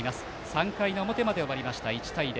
３回の表まで終わって１対０。